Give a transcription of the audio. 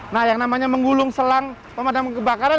nah yang namanya menggulung selang pemadam kebakaran